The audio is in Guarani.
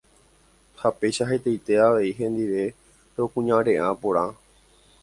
ha péicha hetaite avei hendive rokuñarea porã.